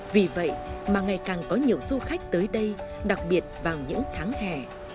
vì vậy mà ngày càng có nhiều du khách tới đây đặc biệt vào những tháng hè